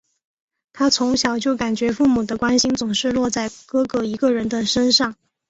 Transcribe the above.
她从小就感觉父母的关心总是落在哥哥一个人的身上。